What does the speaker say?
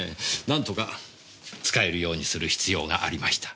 なんとか使えるようにする必要がありました。